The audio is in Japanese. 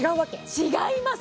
違います